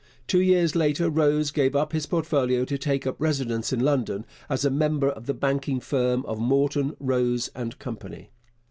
Two years later Rose gave up his portfolio to take up residence in London as a member of the banking firm of Morton, Rose and Company.